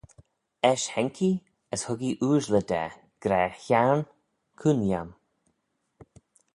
Eisht haink ee as hug ee ooashley da gra, hiarn, cooin lhiam.